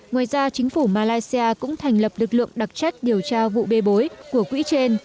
ngoài ra chính phủ malaysia cũng thành lập lực lượng đặc trách điều tra vụ bê bối của quỹ trên